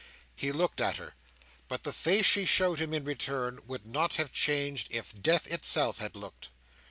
He looked at her; but the face she showed him in return would not have changed, if death itself had looked.